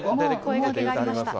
声掛けがありました。